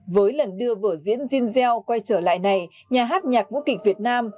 với lần đưa vở diễn jean gell quay trở lại này nhà hát nhạc múa kịch việt nam